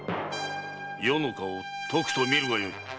余の顔をとくと見るがよい。